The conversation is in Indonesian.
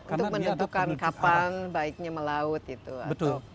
untuk menentukan kapan baiknya melaut